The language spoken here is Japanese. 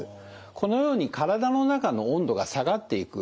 このように体の中の温度が下がっていく。